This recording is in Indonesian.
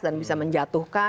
dan bisa menjatuhkan